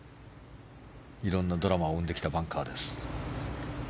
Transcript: いろんなドラマを生んできたバンカーです。